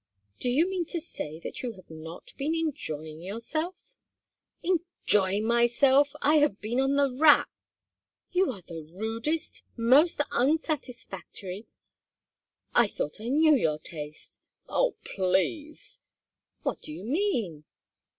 "Do you mean to say that you have not been enjoying yourself?" "Enjoying myself! I have been on the rack." "You are the rudest most unsatisfactory I thought I knew your taste." "Oh, please!" "What do you mean?"